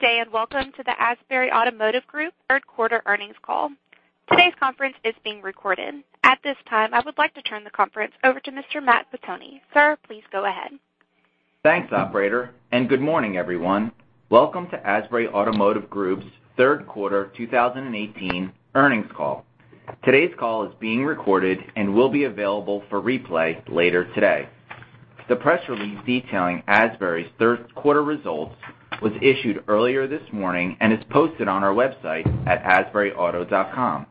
Good day, welcome to the Asbury Automotive Group third quarter earnings call. Today's conference is being recorded. At this time, I would like to turn the conference over to Mr. Matt Pettoni. Sir, please go ahead. Thanks, operator, and good morning, everyone. Welcome to Asbury Automotive Group's third quarter 2018 earnings call. Today's call is being recorded and will be available for replay later today. The press release detailing Asbury's third quarter results was issued earlier this morning and is posted on our website at asburyauto.com.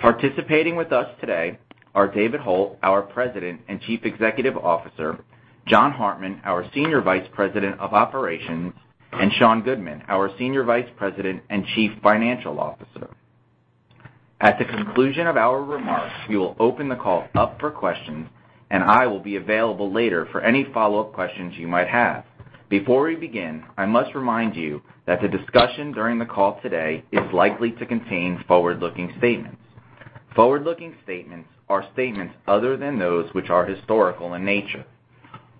Participating with us today are David Hult, our President and Chief Executive Officer, John Hartman, our Senior Vice President of Operations, and Sean Goodman, our Senior Vice President and Chief Financial Officer. At the conclusion of our remarks, we will open the call up for questions, and I will be available later for any follow-up questions you might have. Before we begin, I must remind you that the discussion during the call today is likely to contain forward-looking statements. Forward-looking statements are statements other than those which are historical in nature.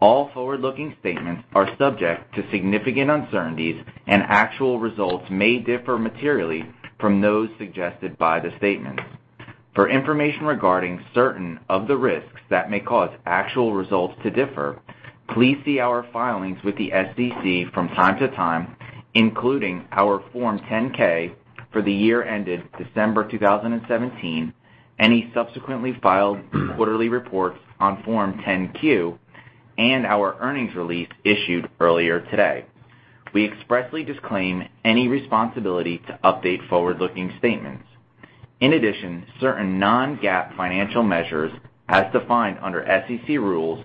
All forward-looking statements are subject to significant uncertainties, and actual results may differ materially from those suggested by the statements. For information regarding certain of the risks that may cause actual results to differ, please see our filings with the SEC from time to time, including our Form 10-K for the year ended December 2017, any subsequently filed quarterly reports on Form 10-Q, and our earnings release issued earlier today. We expressly disclaim any responsibility to update forward-looking statements. In addition, certain non-GAAP financial measures, as defined under SEC rules,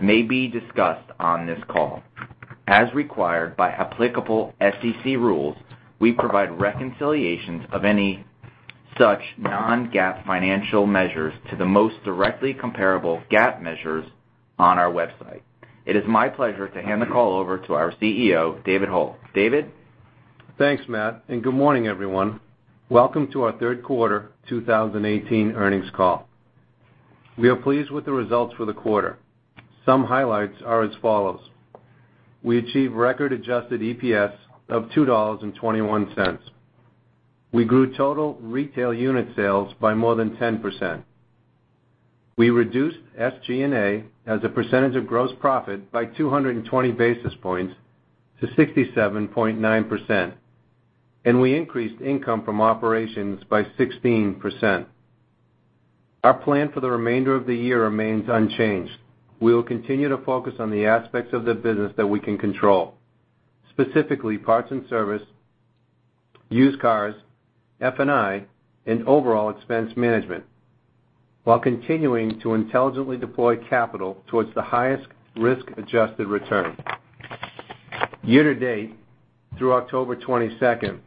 may be discussed on this call. As required by applicable SEC rules, we provide reconciliations of any such non-GAAP financial measures to the most directly comparable GAAP measures on our website. It is my pleasure to hand the call over to our CEO, David Hult. David? Thanks, Matt, and good morning, everyone. Welcome to our third quarter 2018 earnings call. We are pleased with the results for the quarter. Some highlights are as follows. We achieved record adjusted EPS of $2.21. We grew total retail unit sales by more than 10%. We reduced SG&A as a percentage of gross profit by 220 basis points to 67.9%, and we increased income from operations by 16%. Our plan for the remainder of the year remains unchanged. We will continue to focus on the aspects of the business that we can control, specifically parts and service, used cars, F&I, and overall expense management, while continuing to intelligently deploy capital towards the highest risk-adjusted return. Year to date, through October 22nd,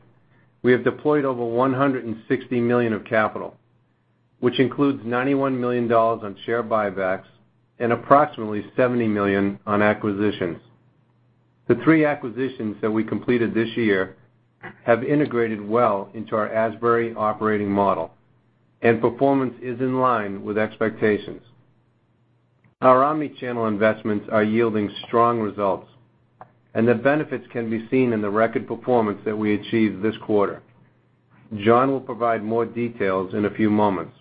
we have deployed over $160 million of capital, which includes $91 million on share buybacks and approximately $70 million on acquisitions. The three acquisitions that we completed this year have integrated well into our Asbury operating model, and performance is in line with expectations. Our omni-channel investments are yielding strong results, and the benefits can be seen in the record performance that we achieved this quarter. John will provide more details in a few moments.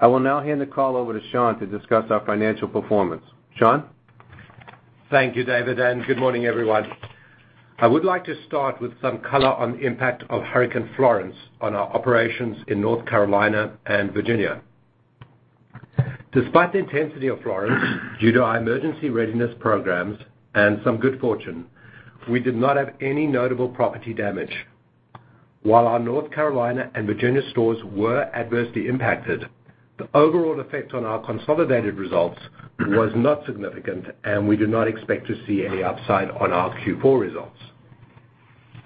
I will now hand the call over to Sean to discuss our financial performance. Sean? Thank you, David, and good morning, everyone. I would like to start with some color on the impact of Hurricane Florence on our operations in North Carolina and Virginia. Despite the intensity of Florence, due to our emergency readiness programs and some good fortune, we did not have any notable property damage. While our North Carolina and Virginia stores were adversely impacted, the overall effect on our consolidated results was not significant, and we do not expect to see any upside on our Q4 results.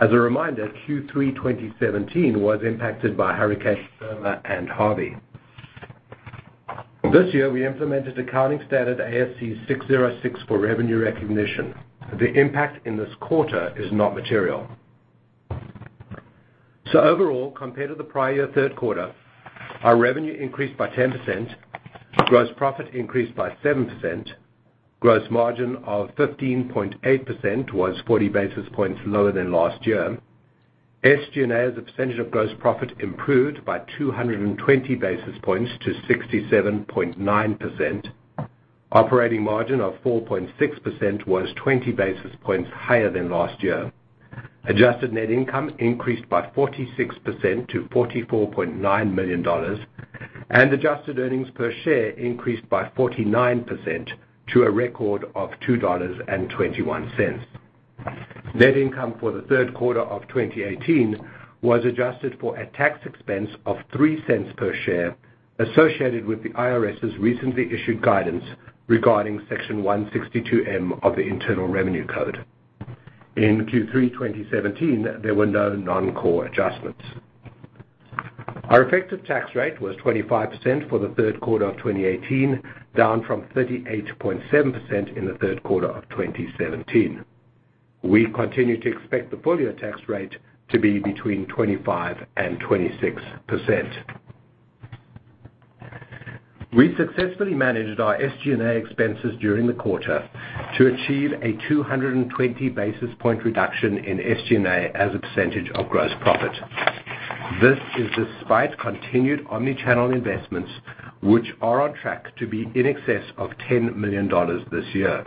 As a reminder, Q3 2017 was impacted by Hurricane Irma and Harvey. This year, we implemented accounting standard ASC 606 for revenue recognition. The impact in this quarter is not material. Overall, compared to the prior year third quarter, our revenue increased by 10%, gross profit increased by 7%, gross margin of 15.8% was 40 basis points lower than last year. SG&A, as a percentage of gross profit, improved by 220 basis points to 67.9%. Operating margin of 4.6% was 20 basis points higher than last year. Adjusted net income increased by 46% to $44.9 million. Adjusted earnings per share increased by 49% to a record of $2.21. Net income for the third quarter of 2018 was adjusted for a tax expense of $0.03 per share associated with the IRS's recently issued guidance regarding Section 162(m) of the Internal Revenue Code. In Q3 2017, there were no non-core adjustments. Our effective tax rate was 25% for the third quarter of 2018, down from 38.7% in the third quarter of 2017. We continue to expect the full-year tax rate to be between 25% and 26%. We successfully managed our SG&A expenses during the quarter to achieve a 220 basis point reduction in SG&A as a percentage of gross profit. This is despite continued omni-channel investments, which are on track to be in excess of $10 million this year.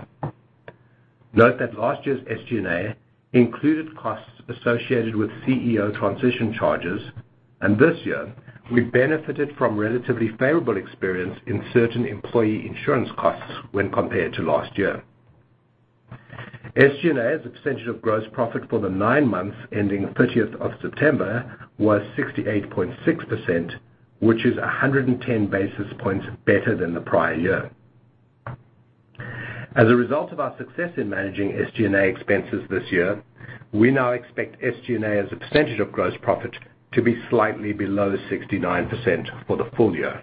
Note that last year's SG&A included costs associated with CEO transition charges, and this year we benefited from relatively favorable experience in certain employee insurance costs when compared to last year. SG&A as a percentage of gross profit for the nine months ending 30th of September was 68.6%, which is 110 basis points better than the prior year. As a result of our success in managing SG&A expenses this year, we now expect SG&A as a percentage of gross profit to be slightly below 69% for the full year.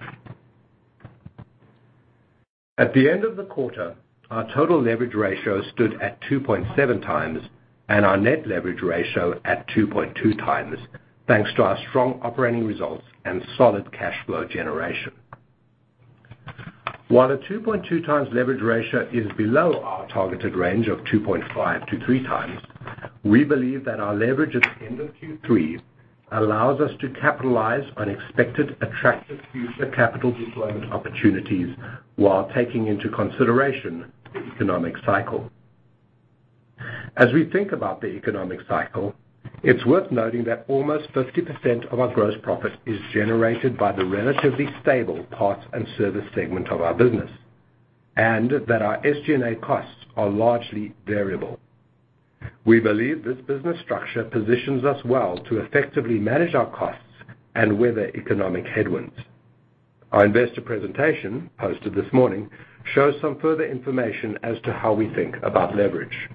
At the end of the quarter, our total leverage ratio stood at 2.7 times and our net leverage ratio at 2.2 times, thanks to our strong operating results and solid cash flow generation. While the 2.2 times leverage ratio is below our targeted range of 2.5 to three times, we believe that our leverage at the end of Q3 allows us to capitalize on expected attractive future capital deployment opportunities while taking into consideration the economic cycle. As we think about the economic cycle, it's worth noting that almost 50% of our gross profit is generated by the relatively stable parts and service segment of our business, and that our SG&A costs are largely variable. We believe this business structure positions us well to effectively manage our costs and weather economic headwinds. Our investor presentation, posted this morning, shows some further information as to how we think about leverage.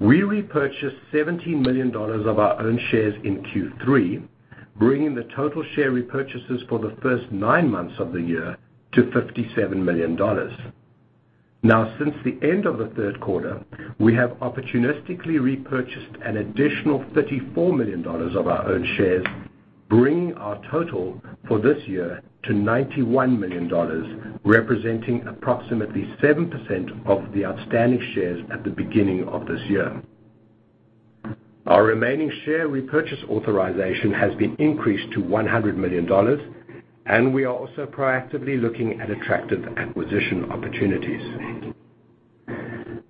We repurchased $17 million of our own shares in Q3, bringing the total share repurchases for the first nine months of the year to $57 million. Since the end of the third quarter, we have opportunistically repurchased an additional $34 million of our own shares, bringing our total for this year to $91 million, representing approximately 7% of the outstanding shares at the beginning of this year. Our remaining share repurchase authorization has been increased to $100 million, and we are also proactively looking at attractive acquisition opportunities.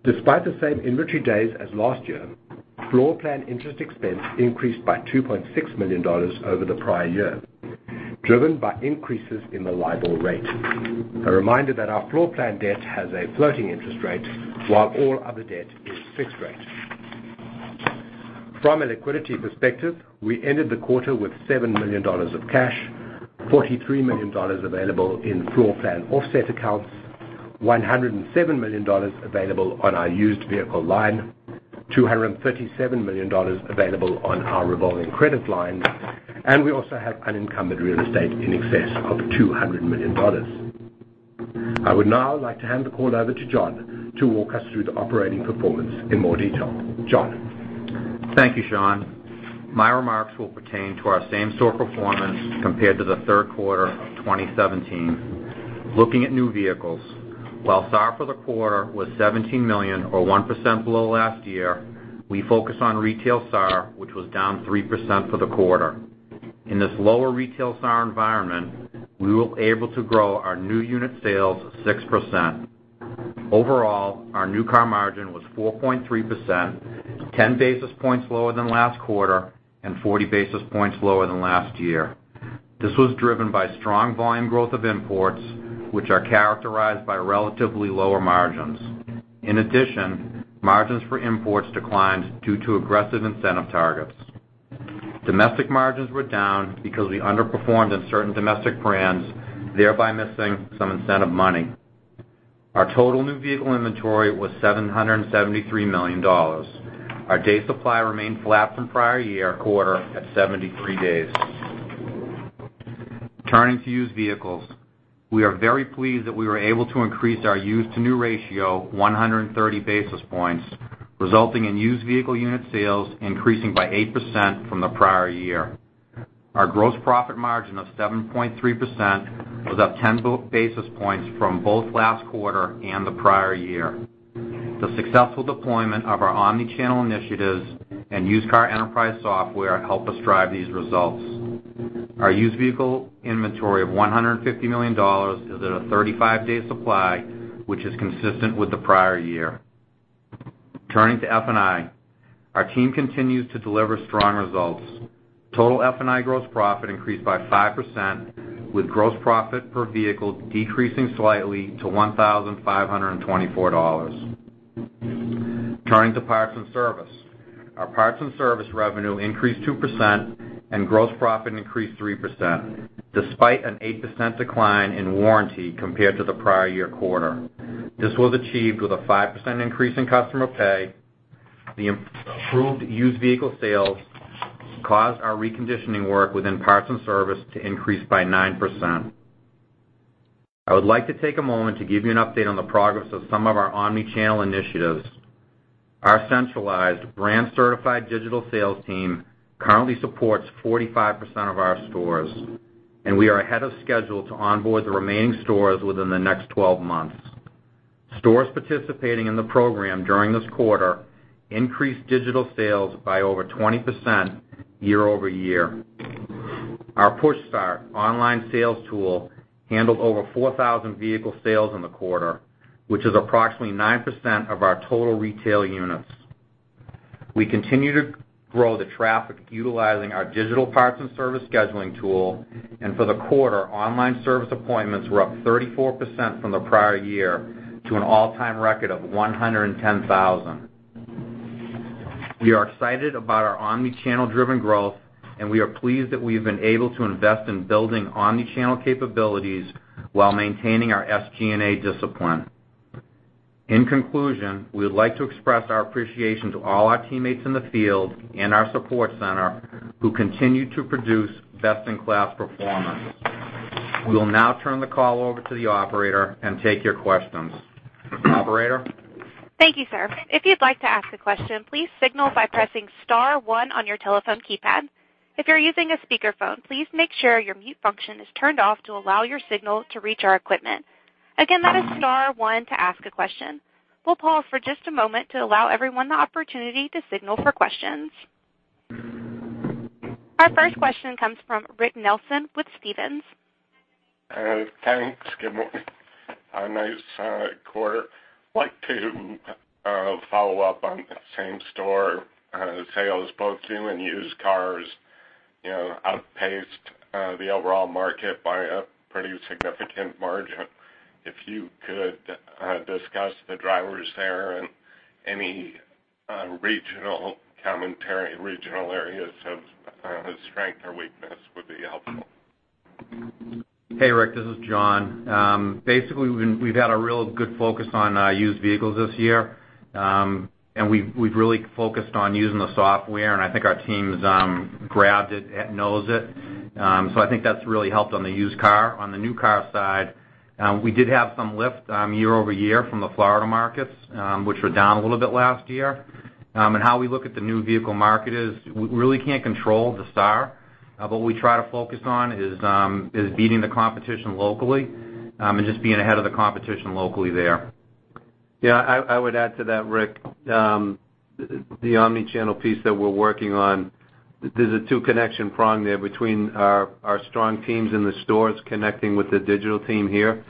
Despite the same inventory days as last year, floorplan interest expense increased by $2.6 million over the prior year, driven by increases in the LIBOR rate. A reminder that our floorplan debt has a floating interest rate, while all other debt is fixed rate. From a liquidity perspective, we ended the quarter with $7 million of cash, $43 million available in floorplan offset accounts, $107 million available on our used vehicle line, $237 million available on our revolving credit line, and we also have unencumbered real estate in excess of $200 million. I would now like to hand the call over to John to walk us through the operating performance in more detail. John? Thank you, Sean. My remarks will pertain to our same-store performance compared to the third quarter of 2017. Looking at new vehicles, while SAR for the quarter was $17 million or 1% below last year, we focus on retail SAR, which was down 3% for the quarter. In this lower retail SAR environment, we were able to grow our new unit sales 6%. Overall, our new car margin was 4.3%, 10 basis points lower than last quarter and 40 basis points lower than last year. This was driven by strong volume growth of imports, which are characterized by relatively lower margins. In addition, margins for imports declined due to aggressive incentive targets. Domestic margins were down because we underperformed in certain domestic brands, thereby missing some incentive money. Our total new vehicle inventory was $773 million. Our day supply remained flat from prior year quarter at 73 days. Turning to used vehicles. We are very pleased that we were able to increase our used-to-new ratio 130 basis points, resulting in used vehicle unit sales increasing by 8% from the prior year. Our gross profit margin of 7.3% was up 10 basis points from both last quarter and the prior year. The successful deployment of our omni-channel initiatives and used car enterprise software helped us drive these results. Our used vehicle inventory of $150 million is at a 35-day supply, which is consistent with the prior year. Turning to F&I. Our team continues to deliver strong results. Total F&I gross profit increased by 5%, with gross profit per vehicle decreasing slightly to $1,524. Turning to parts and service. Our parts and service revenue increased 2% and gross profit increased 3%, despite an 8% decline in warranty compared to the prior year quarter. This was achieved with a 5% increase in customer pay. The improved used vehicle sales caused our reconditioning work within parts and service to increase by 9%. I would like to take a moment to give you an update on the progress of some of our omni-channel initiatives. Our centralized brand certified digital sales team currently supports 45% of our stores. We are ahead of schedule to onboard the remaining stores within the next 12 months. Stores participating in the program during this quarter increased digital sales by over 20% year-over-year. Our PushStart online sales tool handled over 4,000 vehicle sales in the quarter, which is approximately 9% of our total retail units. We continue to grow the traffic utilizing our digital parts and service scheduling tool. For the quarter, online service appointments were up 34% from the prior year to an all-time record of 110,000. We are excited about our omni-channel driven growth. We are pleased that we've been able to invest in building omni-channel capabilities while maintaining our SG&A discipline. In conclusion, we would like to express our appreciation to all our teammates in the field and our support center who continue to produce best-in-class performance. We will now turn the call over to the operator and take your questions. Operator? Thank you, sir. If you'd like to ask a question, please signal by pressing *1 on your telephone keypad. If you're using a speakerphone, please make sure your mute function is turned off to allow your signal to reach our equipment. Again, that is *1 to ask a question. We'll pause for just a moment to allow everyone the opportunity to signal for questions. Our first question comes from Rick Nelson with Stephens. Thanks. Good morning. A nice quarter. I'd like to follow up on the same store sales, both new and used cars, outpaced the overall market by a pretty significant margin. If you could discuss the drivers there and any regional commentary, regional areas of strength or weakness would be helpful. Hey, Rick, this is John. Basically, we've had a real good focus on used vehicles this year. We've really focused on using the software, and I think our teams grabbed it and knows it. I think that's really helped on the used car. On the new car side, we did have some lift year-over-year from the Florida markets, which were down a little bit last year. How we look at the new vehicle market is we really can't control the SAR. What we try to focus on is beating the competition locally and just being ahead of the competition locally there. Yeah, I would add to that, Rick. The omni-channel piece that we're working on, there's a two connection prong there between our strong teams in the stores connecting with the digital team here,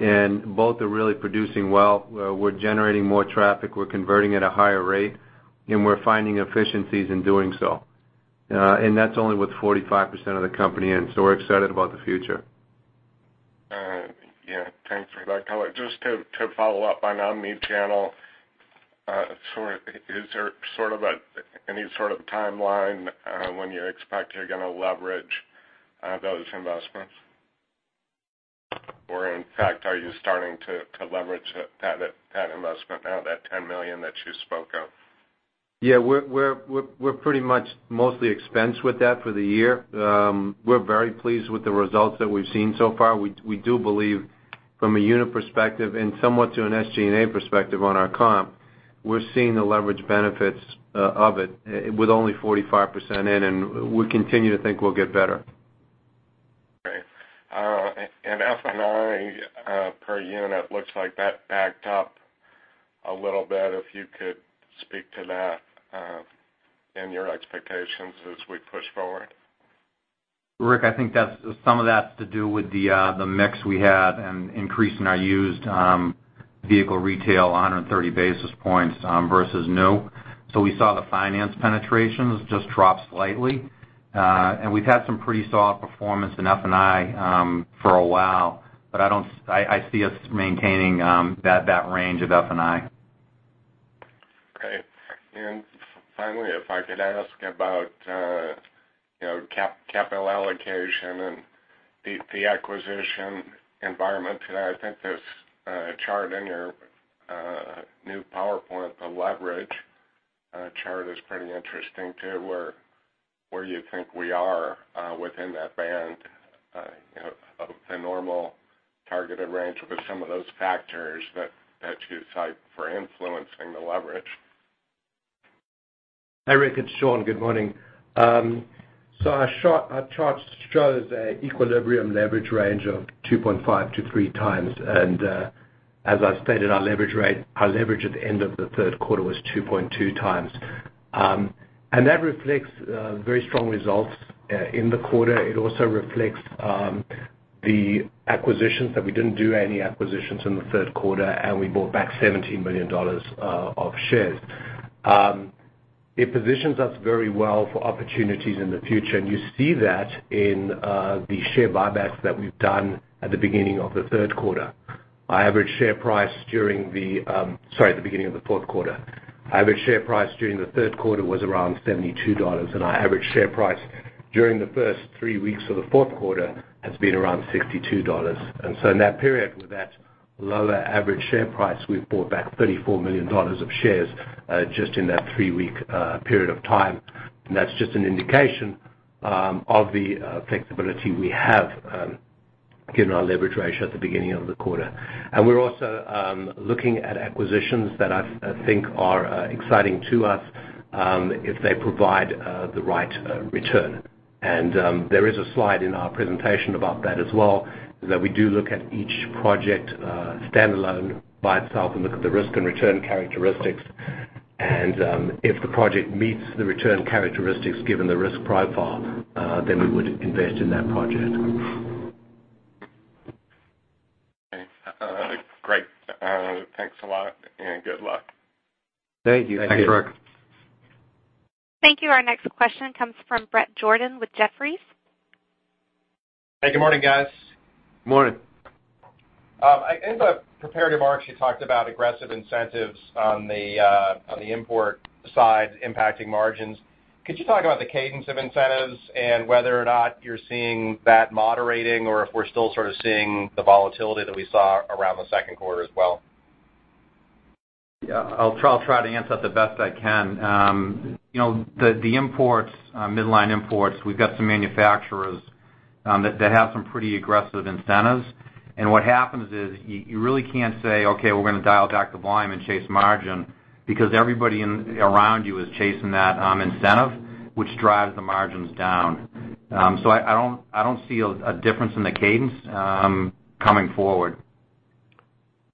and both are really producing well. We're generating more traffic, we're converting at a higher rate, and we're finding efficiencies in doing so. That's only with 45% of the company in. We're excited about the future. Yeah. Thanks for that color. Just to follow up on omni-channel, is there any sort of timeline when you expect you're going to leverage those investments? In fact, are you starting to leverage that investment now, that $10 million that you spoke of? We're pretty much mostly expensed with that for the year. We're very pleased with the results that we've seen so far. We do believe from a unit perspective and somewhat to an SG&A perspective on our comp, we're seeing the leverage benefits of it with only 45% in. We continue to think we'll get better. Great. F&I per unit looks like that backed up a little bit, if you could speak to that and your expectations as we push forward. Rick, I think some of that's to do with the mix we had and increasing our used vehicle retail 130 basis points versus new. We saw the finance penetrations just drop slightly. We've had some pretty solid performance in F&I for a while. I see us maintaining that range of F&I. Great. Finally, if I could ask about capital allocation and the acquisition environment today, I think there's a chart in your new PowerPoint, the leverage chart is pretty interesting too, where you think we are within that band of the normal targeted range with some of those factors that you cite for influencing the leverage. Hi, Rick, it's Sean. Good morning. Our chart shows an equilibrium leverage range of 2.5-3 times. As I stated, our leverage at the end of the third quarter was 2.2 times. That reflects very strong results in the quarter. It also reflects the acquisitions, that we didn't do any acquisitions in the third quarter, and we bought back $17 million of shares. It positions us very well for opportunities in the future, and you see that in the share buybacks that we've done at the beginning of the fourth quarter. Average share price during the third quarter was around $72, and our average share price during the first three weeks of the fourth quarter has been around $62. In that period with that lower average share price, we've bought back $34 million of shares, just in that three-week period of time. That's just an indication Of the flexibility we have given our leverage ratio at the beginning of the quarter. We're also looking at acquisitions that I think are exciting to us, if they provide the right return. There is a slide in our presentation about that as well, is that we do look at each project standalone by itself and look at the risk and return characteristics. If the project meets the return characteristics given the risk profile, we would invest in that project. Okay. Great. Thanks a lot, and good luck. Thank you. Thank you. Thanks, Rick. Thank you. Our next question comes from Bret Jordan with Jefferies. Hey, good morning, guys. Morning. In the prepared remarks, you talked about aggressive incentives on the import side impacting margins. Could you talk about the cadence of incentives and whether or not you're seeing that moderating, or if we're still sort of seeing the volatility that we saw around the second quarter as well? Yeah. I'll try to answer it the best I can. The imports, midline imports, we've got some manufacturers that have some pretty aggressive incentives. What happens is, you really can't say, "Okay, we're going to dial back the volume and chase margin," because everybody around you is chasing that incentive, which drives the margins down. I don't see a difference in the cadence coming forward.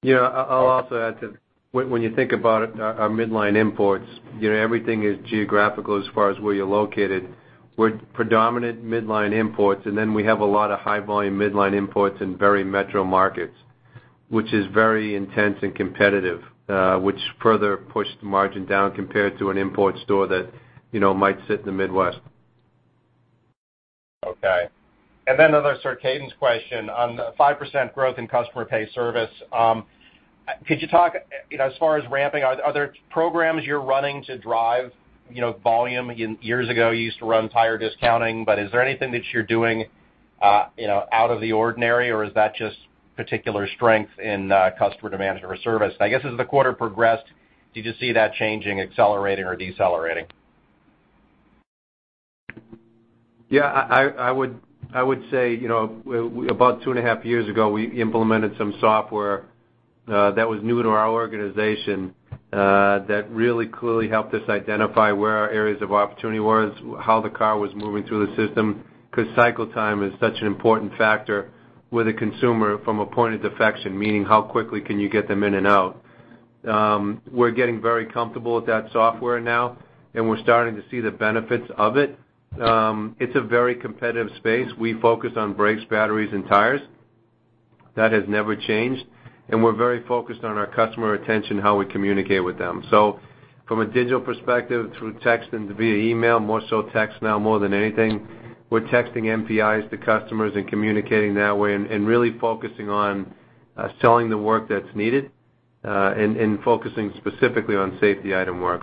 Yeah, I'll also add to when you think about it, our midline imports, everything is geographical as far as where you're located, with predominant midline imports. We have a lot of high volume midline imports in very metro markets, which is very intense and competitive, which further pushed the margin down compared to an import store that might sit in the Midwest. Okay. Another sort of cadence question. On the 5% growth in customer pay service, could you talk, as far as ramping, are there programs you're running to drive volume? Years ago, you used to run tire discounting, but is there anything that you're doing out of the ordinary, or is that just particular strength in customer demand or service? I guess as the quarter progressed, did you see that changing, accelerating, or decelerating? Yeah, I would say, about two and a half years ago, we implemented some software that was new to our organization, that really clearly helped us identify where our areas of opportunity was, how the car was moving through the system, because cycle time is such an important factor with a consumer from a point of defection, meaning how quickly can you get them in and out. We're getting very comfortable with that software now, and we're starting to see the benefits of it. It's a very competitive space. We focus on brakes, batteries, and tires. That has never changed, and we're very focused on our customer retention, how we communicate with them. From a digital perspective, through text and via email, more so text now more than anything, we're texting MPIs to customers and communicating that way and really focusing on selling the work that's needed, and focusing specifically on safety item work.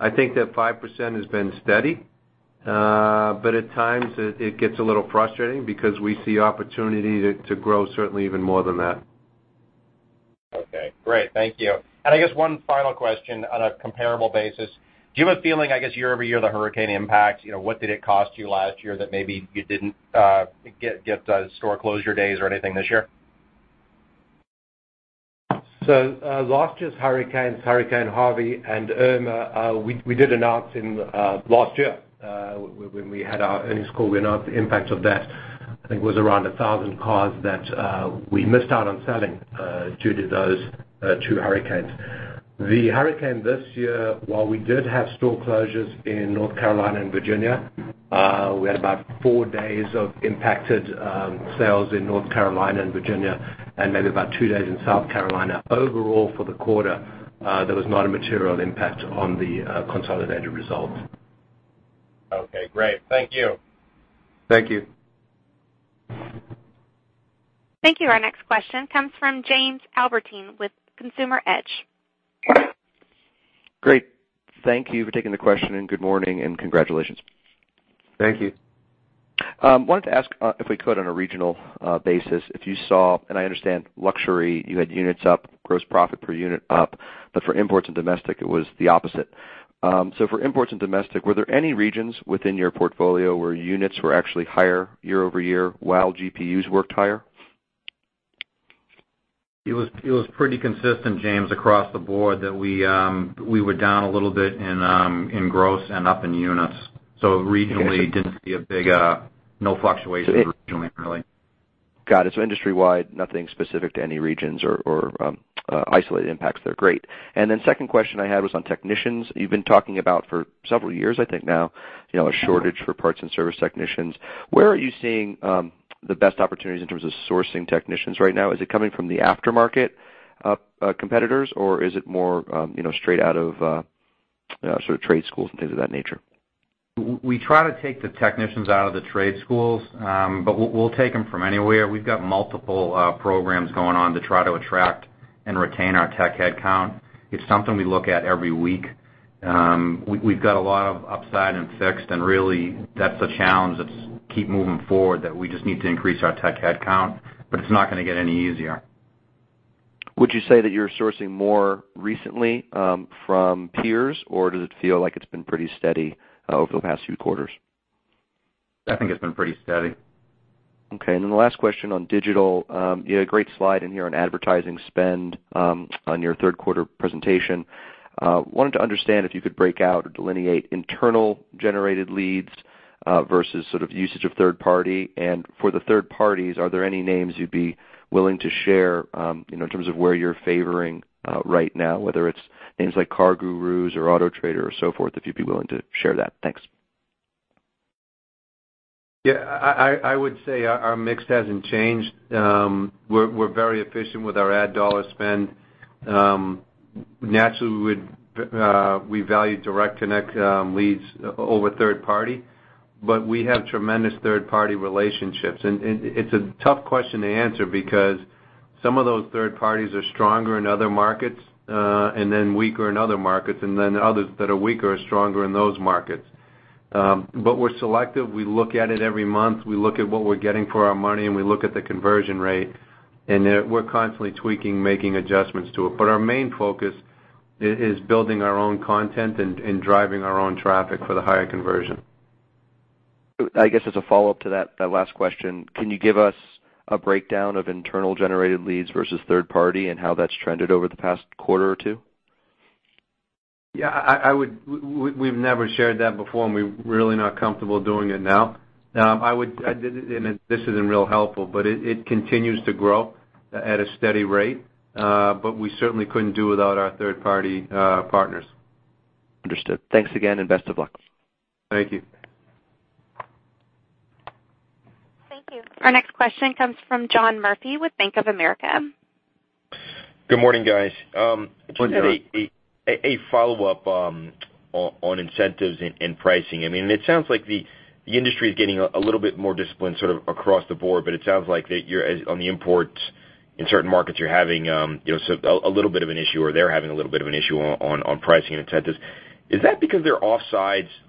I think that 5% has been steady. At times it gets a little frustrating because we see opportunity to grow certainly even more than that. Okay, great. Thank you. I guess one final question on a comparable basis, do you have a feeling, I guess, year-over-year, the hurricane impact, what did it cost you last year that maybe you didn't get store closure days or anything this year? Last year's hurricanes, Hurricane Harvey and Irma, we did announce in last year, when we had our earnings call, we announced the impact of that. I think it was around 1,000 cars that we missed out on selling due to those two hurricanes. The hurricane this year, while we did have store closures in North Carolina and Virginia, we had about four days of impacted sales in North Carolina and Virginia, and maybe about two days in South Carolina. Overall, for the quarter, there was not a material impact on the consolidated results. Okay, great. Thank you. Thank you. Thank you. Our next question comes from Jamie Albertine with Consumer Edge. Great. Thank you for taking the question, good morning, and congratulations. Thank you. Wanted to ask, if we could, on a regional basis, if you saw, I understand luxury, you had units up, gross profit per unit up, for imports and domestic, it was the opposite. For imports and domestic, were there any regions within your portfolio where units were actually higher year-over-year while GPUs worked higher? It was pretty consistent, Jamie, across the board that we were down a little bit in gross and up in units, regionally didn't see a big fluctuation regionally, really. Got it. Industry-wide, nothing specific to any regions or isolated impacts there. Great. Second question I had was on technicians. You've been talking about for several years, I think now, a shortage for parts and service technicians. Where are you seeing the best opportunities in terms of sourcing technicians right now? Is it coming from the aftermarket competitors, or is it more straight out of sort of trade schools and things of that nature? We try to take the technicians out of the trade schools, we'll take them from anywhere. We've got multiple programs going on to try to attract and retain our tech headcount. It's something we look at every week. We've got a lot of upside in fixed, and really that's the challenge that's keep moving forward, that we just need to increase our tech headcount, it's not going to get any easier. Would you say that you're sourcing more recently from peers, or does it feel like it's been pretty steady over the past few quarters? I think it's been pretty steady. Okay, the last question on digital. You had a great slide in here on advertising spend on your third quarter presentation. Wanted to understand if you could break out or delineate internal generated leads versus usage of third-party. For the third parties, are there any names you'd be willing to share in terms of where you're favoring right now, whether it's names like CarGurus or Autotrader or so forth, if you'd be willing to share that? Thanks. Yeah, I would say our mix hasn't changed. We're very efficient with our ad dollar spend. Naturally, we value direct connect leads over third-party, we have tremendous third-party relationships. It's a tough question to answer because some of those third parties are stronger in other markets, weaker in other markets, others that are weaker are stronger in those markets. We're selective. We look at it every month. We look at what we're getting for our money, we look at the conversion rate, we're constantly tweaking, making adjustments to it. Our main focus is building our own content and driving our own traffic for the higher conversion. I guess as a follow-up to that last question, can you give us a breakdown of internal generated leads versus third-party and how that's trended over the past quarter or two? Yeah, we've never shared that before, we're really not comfortable doing it now. This isn't real helpful, it continues to grow at a steady rate. We certainly couldn't do without our third-party partners. Understood. Thanks again, and best of luck. Thank you. Thank you. Our next question comes from John Murphy with Bank of America. Good morning, guys. Good morning. Just a follow-up on incentives and pricing. It sounds like the industry is getting a little bit more disciplined sort of across the board, it sounds like that on the imports in certain markets, you're having a little bit of an issue, or they're having a little bit of an issue on pricing incentives. Is that because they're offsides on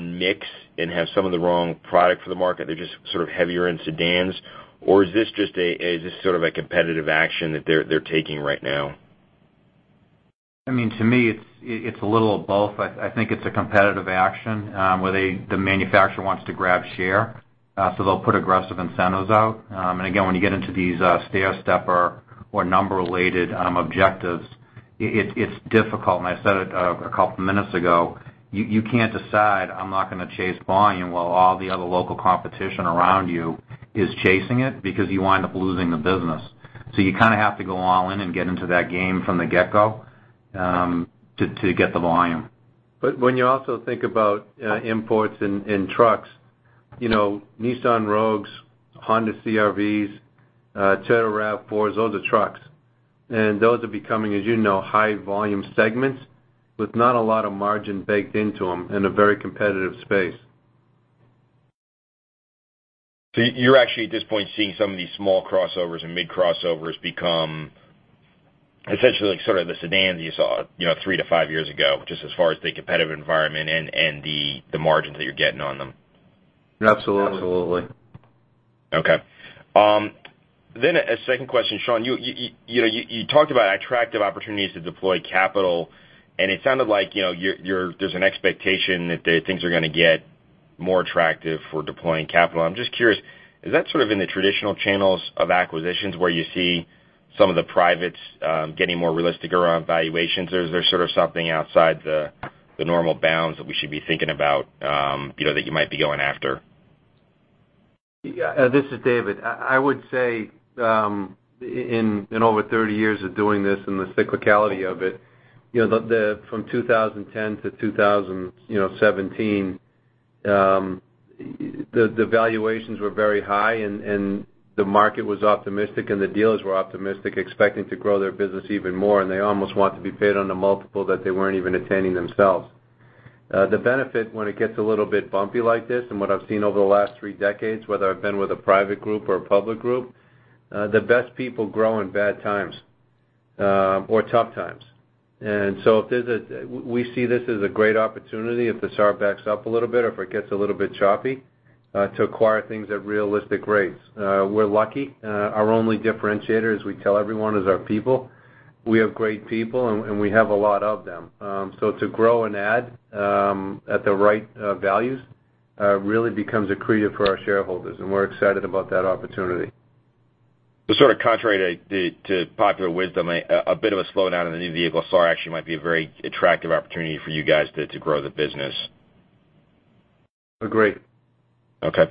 mix and have some of the wrong product for the market, they're just sort of heavier in sedans? Is this just sort of a competitive action that they're taking right now? To me, it's a little of both. I think it's a competitive action, where the manufacturer wants to grab share, they'll put aggressive incentives out. Again, when you get into these stairstep or number-related objectives, it's difficult. I said it a couple of minutes ago, you can't decide, I'm not going to chase volume while all the other local competition around you is chasing it, because you wind up losing the business. You kind of have to go all in and get into that game from the get-go to get the volume. When you also think about imports and trucks, Nissan Rogues, Honda CR-Vs, Toyota RAV4s, those are trucks. Those are becoming, as you know, high volume segments with not a lot of margin baked into them in a very competitive space. You're actually, at this point, seeing some of these small crossovers and mid crossovers become essentially like sort of the sedans you saw three to five years ago, just as far as the competitive environment and the margins that you're getting on them. Absolutely. Absolutely. Okay. A second question, Sean. You talked about attractive opportunities to deploy capital, and it sounded like there's an expectation that things are going to get more attractive for deploying capital. I'm just curious, is that sort of in the traditional channels of acquisitions where you see some of the privates getting more realistic around valuations? Or is there sort of something outside the normal bounds that we should be thinking about that you might be going after? This is David Hult. I would say in over 30 years of doing this and the cyclicality of it, from 2010 to 2017, the valuations were very high, and the market was optimistic, and the dealers were optimistic, expecting to grow their business even more, and they almost want to be paid on the multiple that they weren't even attaining themselves. The benefit when it gets a little bit bumpy like this and what I've seen over the last three decades, whether I've been with a private group or a public group, the best people grow in bad times or tough times. We see this as a great opportunity if the SAR backs up a little bit or if it gets a little bit choppy, to acquire things at realistic rates. We're lucky. Our only differentiator, as we tell everyone, is our people. We have great people, and we have a lot of them. To grow and add at the right values really becomes accretive for our shareholders, and we're excited about that opportunity. Sort of contrary to popular wisdom, a bit of a slowdown in the new vehicle SAR actually might be a very attractive opportunity for you guys to grow the business. Agreed. Okay.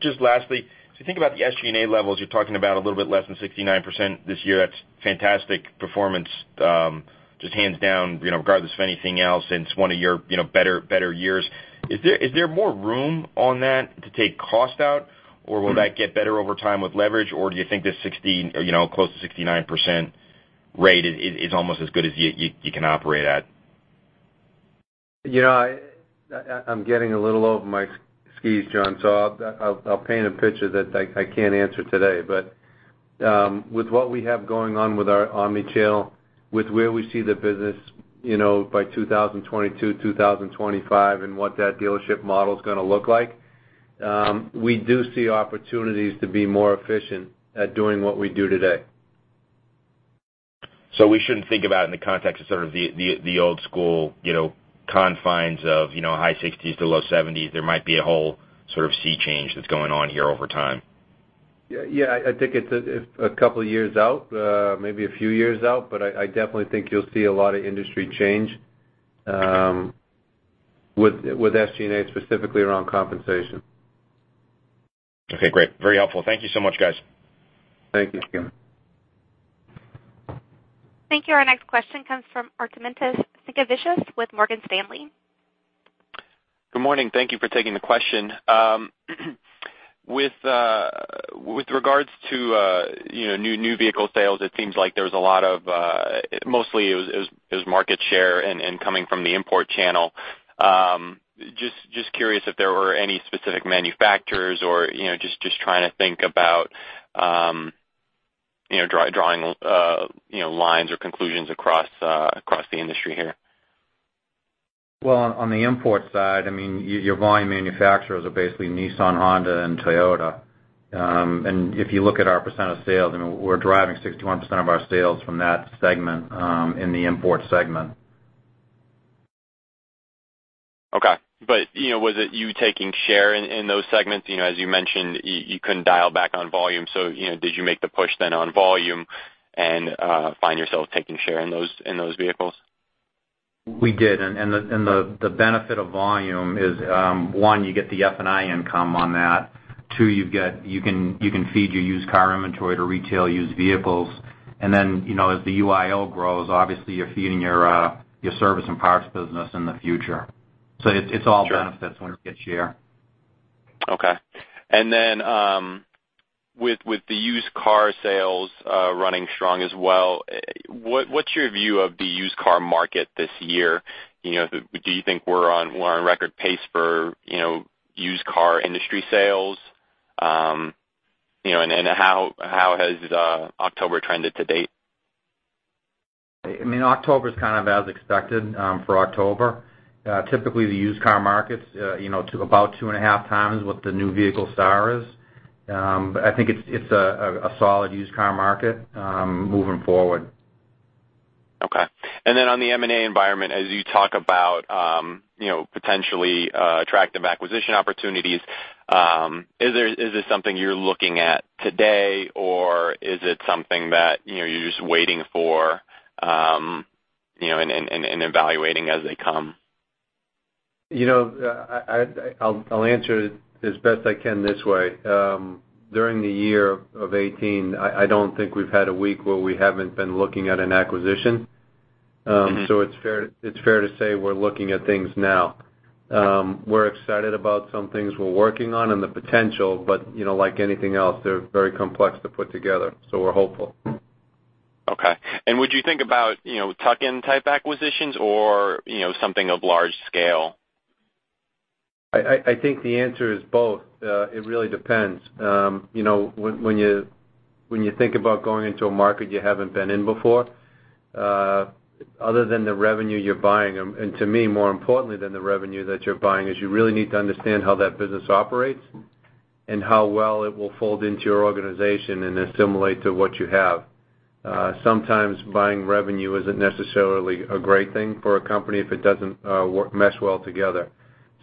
Just lastly, if you think about the SG&A levels, you're talking about a little bit less than 69% this year. That's fantastic performance, just hands down, regardless of anything else. It's one of your better years. Is there more room on that to take cost out, or will that get better over time with leverage, or do you think this close to 69% rate is almost as good as you can operate at? I'm getting a little over my skis, John, so I'll paint a picture that I can't answer today. With what we have going on with our omnichannel, with where we see the business by 2022, 2025, and what that dealership model is going to look like. We do see opportunities to be more efficient at doing what we do today. We shouldn't think about in the context of sort of the old school confines of high 60s to low 70s. There might be a whole sort of sea change that's going on here over time. Yeah. I think it's a couple of years out, maybe a few years out, but I definitely think you'll see a lot of industry change with SG&A, specifically around compensation. Okay, great. Very helpful. Thank you so much, guys. Thank you. Thank you. Our next question comes from Armintas Sinkevicius with Morgan Stanley. Good morning. Thank you for taking the question. With regards to new vehicle sales, it seems like mostly it was market share and coming from the import channel. Curious if there were any specific manufacturers or, just trying to think about drawing lines or conclusions across the industry here. Well, on the import side, your volume manufacturers are basically Nissan, Honda, and Toyota. If you look at our percent of sales, we're driving 61% of our sales from that segment, in the import segment. Okay. Was it you taking share in those segments? As you mentioned, you couldn't dial back on volume. Did you make the push then on volume and find yourself taking share in those vehicles? We did, and the benefit of volume is, one, you get the F&I income on that. Two, you can feed your used car inventory to retail used vehicles. As the UIO grows, obviously you're feeding your service and parts business in the future. It's all benefits when you get share. Okay. With the used car sales running strong as well, what's your view of the used car market this year? Do you think we're on record pace for used car industry sales? How has October trended to date? October's kind of as expected for October. Typically, the used car market's about two and a half times what the new vehicle SAR is. I think it's a solid used car market moving forward. Okay. On the M&A environment, as you talk about potentially attractive acquisition opportunities, is this something you're looking at today, or is it something that you're just waiting for and evaluating as they come? I'll answer it as best I can this way. During the year of 2018, I don't think we've had a week where we haven't been looking at an acquisition. It's fair to say we're looking at things now. We're excited about some things we're working on and the potential, but like anything else, they're very complex to put together. We're hopeful. Okay. Would you think about tuck-in type acquisitions or something of large scale? I think the answer is both. It really depends. When you think about going into a market you haven't been in before, other than the revenue you're buying, and to me, more importantly than the revenue that you're buying is you really need to understand how that business operates and how well it will fold into your organization and assimilate to what you have. Sometimes buying revenue isn't necessarily a great thing for a company if it doesn't mesh well together.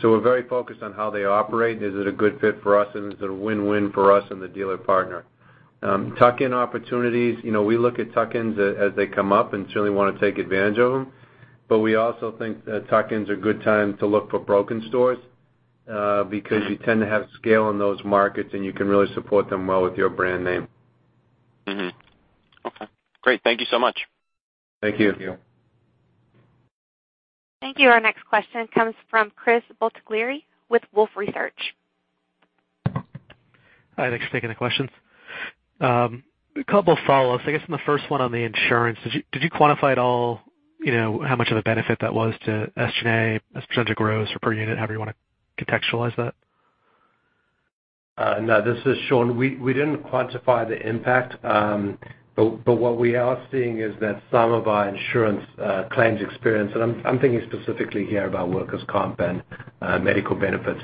We're very focused on how they operate. Is it a good fit for us, and is it a win-win for us and the dealer partner? Tuck-in opportunities, we look at tuck-ins as they come up and certainly want to take advantage of them, but we also think that tuck-ins are good time to look for broken stores, because you tend to have scale in those markets, and you can really support them well with your brand name. Okay, great. Thank you so much. Thank you. Thank you. Our next question comes from Chris Bottiglieri with Wolfe Research. Hi, thanks for taking the questions. A couple of follow-ups. I guess on the first one on the insurance, did you quantify at all how much of a benefit that was to SG&A as a percentage of gross or per unit, however you want to contextualize that? No, this is Sean. We didn't quantify the impact. What we are seeing is that some of our insurance claims experience, and I'm thinking specifically here about workers' comp and medical benefits,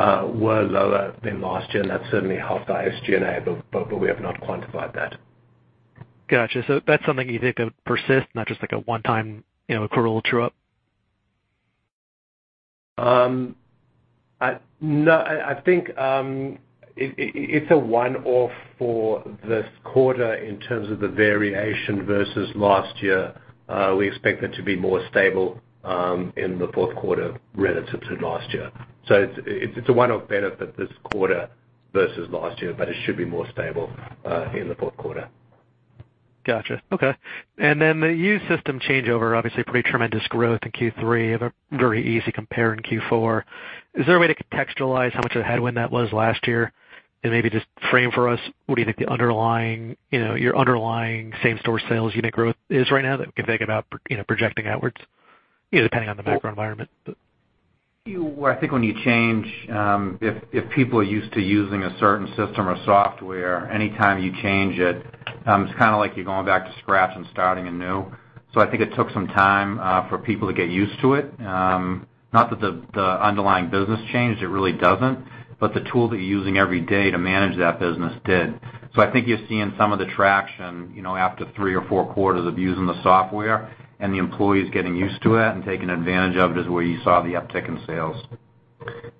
were lower than last year, and that certainly helped our SG&A, but we have not quantified that. Got you. That's something you think could persist, not just like a one-time accrual true-up? No, I think it's a one-off for this quarter in terms of the variation versus last year. We expect it to be more stable in the fourth quarter relative to last year. It's a one-off benefit this quarter versus last year, but it should be more stable in the fourth quarter. Got you. Okay. The used system changeover, obviously pretty tremendous growth in Q3. You have a very easy compare in Q4. Is there a way to contextualize how much of a headwind that was last year? Maybe just frame for us, what do you think your underlying same-store sales unit growth is right now that we can think about projecting outwards, depending on the macro environment? I think when you change, if people are used to using a certain system or software, any time you change it It's kind of like you're going back to scratch and starting anew. I think it took some time for people to get used to it. Not that the underlying business changed, it really doesn't, but the tool that you're using every day to manage that business did. I think you're seeing some of the traction, after three or four quarters of using the software and the employees getting used to it and taking advantage of it is where you saw the uptick in sales.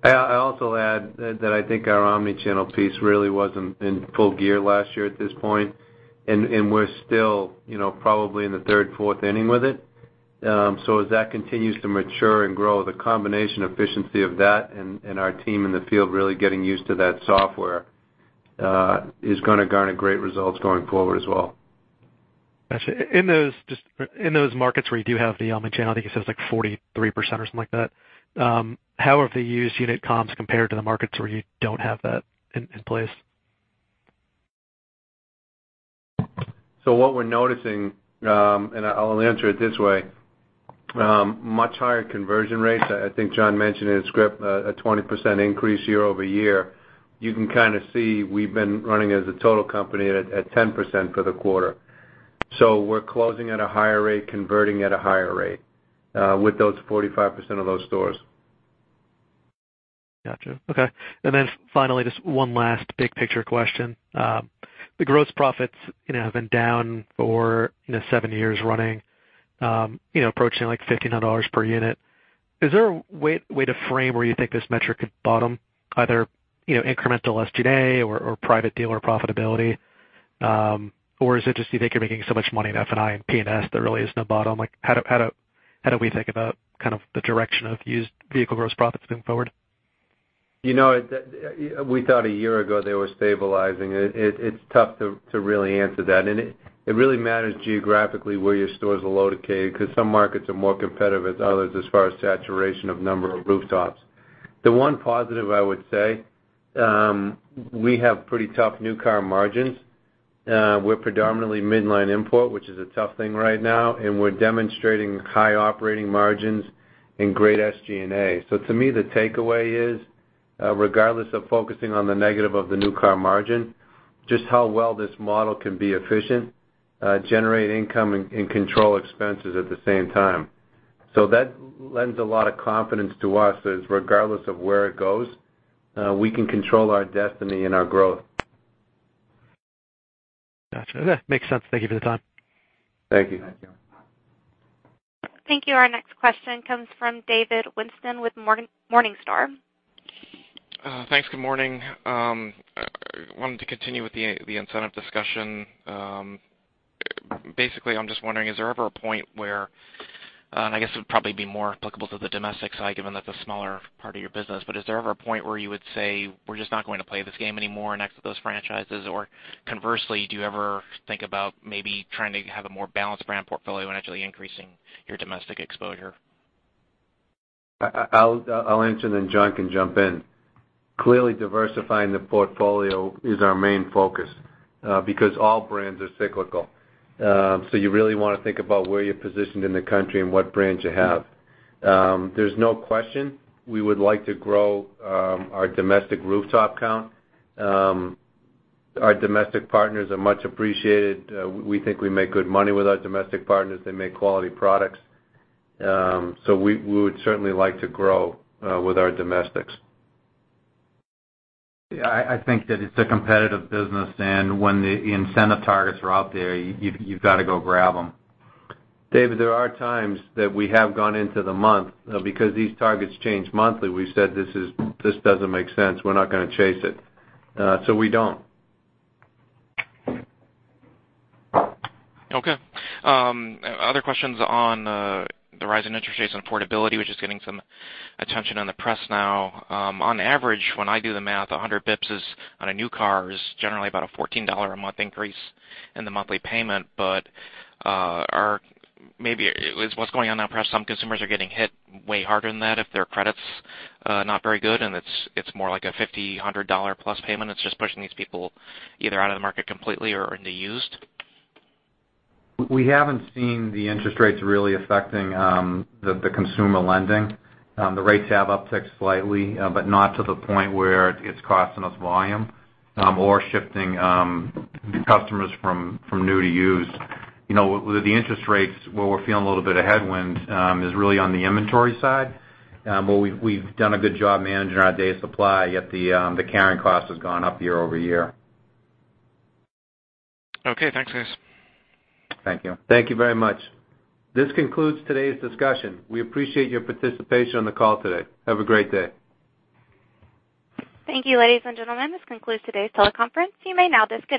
I also add that I think our omni-channel piece really wasn't in full gear last year at this point, and we're still probably in the third, fourth inning with it. As that continues to mature and grow, the combination efficiency of that and our team in the field really getting used to that software, is going to garner great results going forward as well. Got you. In those markets where you do have the omni-channel, I think it says like 43% or something like that. How have they used unit comps compared to the markets where you don't have that in place? What we're noticing, and I'll answer it this way, much higher conversion rates. I think John mentioned in his script a 20% increase year-over-year. You can kind of see we've been running as a total company at 10% for the quarter. We're closing at a higher rate, converting at a higher rate, with those 45% of those stores. Got you. Okay. Finally, just one last big picture question. The gross profits have been down for seven years running, approaching like $1,500 per unit. Is there a way to frame where you think this metric could bottom, either incremental SG&A or private dealer profitability? Or is it just you think you're making so much money in F&I and P&S, there really is no bottom? How do we think about kind of the direction of used vehicle gross profits moving forward? We thought a year ago they were stabilizing it. It's tough to really answer that. It really matters geographically where your stores are located, because some markets are more competitive than others as far as saturation of number of rooftops. The one positive I would say, we have pretty tough new car margins. We're predominantly midline import, which is a tough thing right now, and we're demonstrating high operating margins and great SG&A. To me, the takeaway is, regardless of focusing on the negative of the new car margin, just how well this model can be efficient, generate income and control expenses at the same time. That lends a lot of confidence to us as regardless of where it goes, we can control our destiny and our growth. Got you. Okay. Makes sense. Thank you for the time. Thank you. Thank you. Thank you. Our next question comes from David Whiston with Morningstar. Thanks. Good morning. I wanted to continue with the incentive discussion. Basically, I'm just wondering, is there ever a point where, and I guess it would probably be more applicable to the domestic side given that's a smaller part of your business, but is there ever a point where you would say, "We're just not going to play this game anymore and exit those franchises?" Or conversely, do you ever think about maybe trying to have a more balanced brand portfolio and actually increasing your domestic exposure? I'll answer, then John can jump in. Clearly, diversifying the portfolio is our main focus, because all brands are cyclical. You really want to think about where you're positioned in the country and what brands you have. There's no question, we would like to grow our domestic rooftop count. Our domestic partners are much appreciated. We think we make good money with our domestic partners. They make quality products. We would certainly like to grow with our domestics. Yeah, I think that it's a competitive business and when the incentive targets are out there, you've got to go grab them. David, there are times that we have gone into the month because these targets change monthly. We said, "This doesn't make sense. We're not going to chase it." We don't. Okay. Other questions on the rise in interest rates and affordability, which is getting some attention in the press now. On average, when I do the math, 100 basis points on a new car is generally about a $14 a month increase in the monthly payment. Maybe what's going on now, perhaps some consumers are getting hit way harder than that if their credit's not very good and it's more like a $50, $100-plus payment. It's just pushing these people either out of the market completely or into used. We haven't seen the interest rates really affecting the consumer lending. The rates have upticked slightly, but not to the point where it's costing us volume or shifting customers from new to used. With the interest rates, where we're feeling a little bit of headwind is really on the inventory side. We've done a good job managing our days supply, yet the carrying cost has gone up year-over-year. Okay. Thanks, guys. Thank you. Thank you very much. This concludes today's discussion. We appreciate your participation on the call today. Have a great day. Thank you, ladies and gentlemen. This concludes today's teleconference. You may now disconnect.